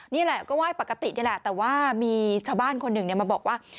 นี่แหละก็ไหว้ปกตินี่แหละแต่ว่ามีชาวบ้านคนหนึ่งมาบอกว่า